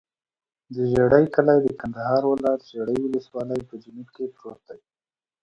د ژرۍ کلی د کندهار ولایت، ژرۍ ولسوالي په جنوب کې پروت دی.